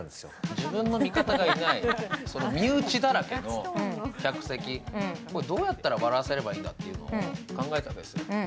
自分の見方がいない、身内だらけの客席、どうやったら笑わせたらいいのかって考えたわけです。